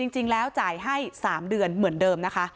จริงแล้วจ่ายให้๓เดือนเหมือนเดิมนะคะ